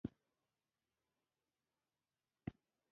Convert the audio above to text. وطن د مور حیثیت لري؛ د قدر په سترګه ور ته ګورئ!